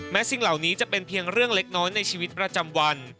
สิ่งเหล่านี้จะเป็นเพียงเรื่องเล็กน้อยในชีวิตประจำวัน